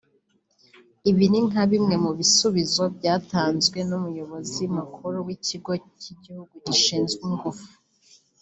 Ibi ni nka bimwe mu bisubizo byatanzwe n’umuyobozi mukuru w’ikigo cy’igihugu gishinzwe ingufu